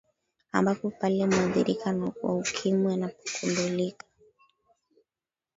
ambapo pale mwadhirika wa ukimwi anapokundulika